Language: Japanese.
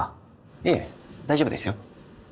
いえ大丈夫ですよ。